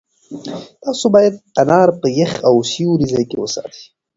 تاسو باید انار په یخ او سیوري ځای کې وساتئ.